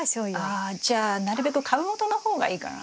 あじゃあなるべく株元の方がいいかな。